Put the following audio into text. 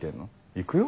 行くよ。